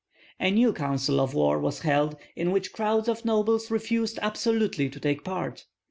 A new council of war was held in which crowds of nobles refused absolutely to take part.